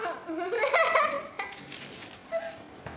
ハハハハ。